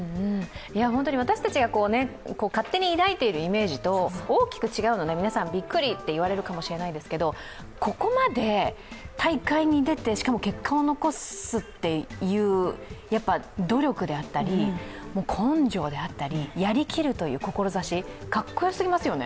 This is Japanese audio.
私たちが勝手に抱いているイメージと大きく違うので皆さんびっくりと言われるかもしれないですけどここまで大会に出て、しかも結果を残すっていうやっぱ、努力であったり根性であったりやりきるという志、かっこよすぎますよね。